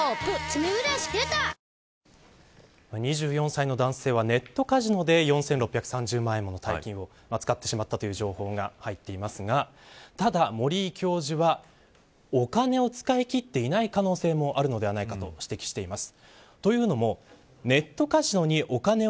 ２４歳の男性はネットカジノで４６３０万円もの大金を使ってしまったという情報が入っていますがただ、森井教授はお金を使い切っていない可能性もあるのではないかと指摘しています。